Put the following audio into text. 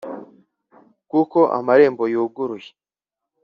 kuko amarembo yuguruye,